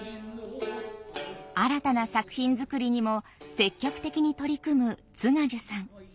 新たな作品作りにも積極的に取り組む津賀寿さん。